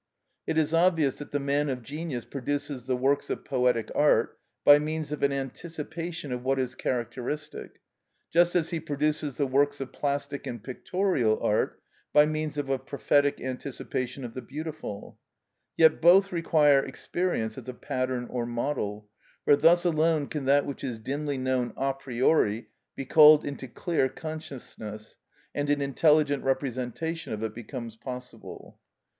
It is obvious that the man of genius produces the works of poetic art by means of an anticipation of what is characteristic, just as he produces the works of plastic and pictorial art by means of a prophetic anticipation of the beautiful; yet both require experience as a pattern or model, for thus alone can that which is dimly known a priori be called into clear consciousness, and an intelligent representation of it becomes possible.